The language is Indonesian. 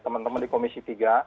teman teman di komisi tiga